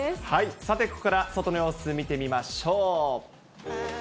さてここから外の様子見てみましょう。